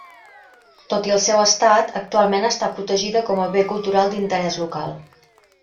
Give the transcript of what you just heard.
Tot i el seu estat, actualment està protegida com a Bé Cultural d'Interès Local.